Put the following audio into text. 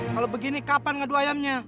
kalau begini kapan ngadu ayamnya